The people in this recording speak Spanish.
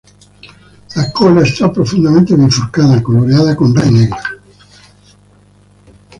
La cola está profundamente bifurcada, coloreada con rayas horizontales blancas y negras.